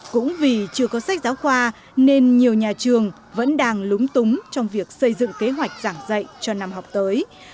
cũng vì chưa có sách giáo khoa nên nhiều nhà trường vẫn đang lúng túng trong việc xây dựng kế hoạch giảng dạy cho năm học tới